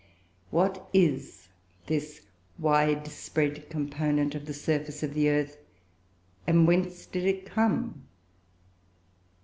What is this wide spread component of the surface of the earth? and whence did it come?